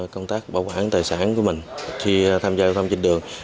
công tác bảo quản tài sản của mình khi tham gia giao thông trên đường